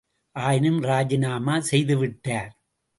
ஆயினும் ராஜிநாமா செய்துவிட்டார்.